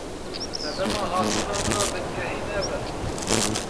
Sedema hatina min a bingehîn ev e.